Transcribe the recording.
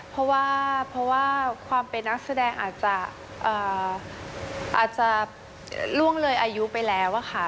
เพราะว่าความเป็นนักแสดงอาจจะล่วงเลยอายุไปแล้วอะค่ะ